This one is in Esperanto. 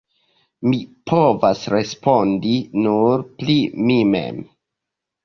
Mi povas respondi nur pri mi mem.